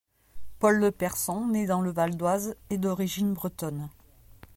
Paul Le Person, né dans le Val-d'Oise, est d'origine bretonne.